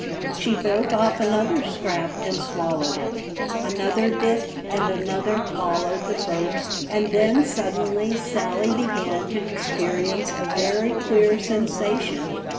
She broke off another scrap and swallowed it. Another bit and another followed the first and then suddenly Sally began to experience a very queer sensation.